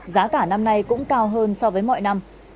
giá cả năm nay cũng cao hơn so với mọi năm